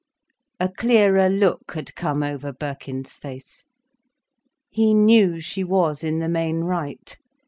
A clearer look had come over Birkin's face. He knew she was in the main right.